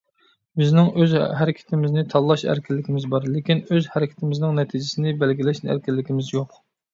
بىزنىڭ ئۆز ھەرىكىتىمىزنى تاللاش ئەركىنلىكىمىز بار، لېكىن ئۆز ھەرىكىتىمىزنىڭ نەتىجىسىنى بەلگىلەش ئەركىنلىكىمىز يوق.